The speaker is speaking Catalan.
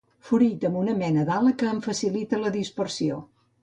Fruit amb una mena d'ala que en facilita la dispersió.